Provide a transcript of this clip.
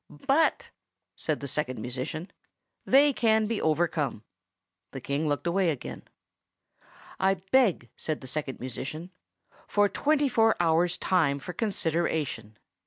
"But," said the Second Musician, "they can be overcome." The King looked away again. "I beg," said the Second Musician, "for twenty four hours' time for consideration.